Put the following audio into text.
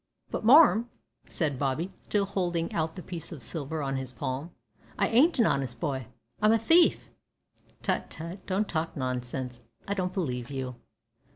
"But, marm," said Bobby, still holding out the piece of silver on his palm, "I ain't a honest boy. I'm a thief!" "Tut, tut, don't talk nonsense; I don't believe you."